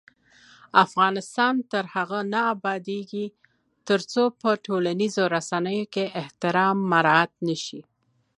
افغانستان تر هغو نه ابادیږي، ترڅو په ټولنیزو رسنیو کې احترام مراعت نشي.